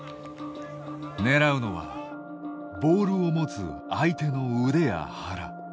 狙うのはボールを持つ相手の腕や腹。